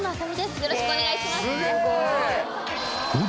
よろしくお願いします。